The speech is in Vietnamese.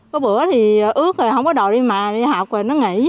có bữa thì ướt rồi không có đồ đi mà đi học rồi nó nghỉ